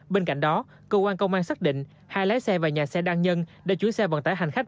bên cạnh đó cơ quan công an xác định hai lái xe và nhà xe đăng nhân là chú xe vận tải hành khách